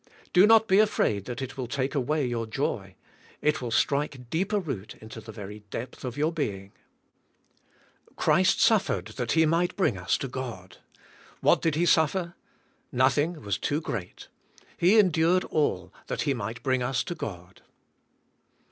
Do not be afraid that it will take away your joy. It will strike deeper root into the very depth of your being*. Christ suffered, that He mig ht bring* us to God. What did He suffer ? Nothing was too g reat. He endured all, that He might bring us to God.